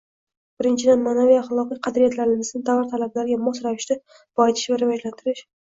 Birinchidan, ma’naviy-axloqiy qadriyatlarimizni davr talablariga mos ravishda boyitish va rivojlantirish